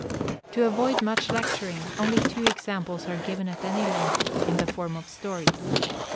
To avoid much lecturing, only two examples are given at any length, in the form of stories.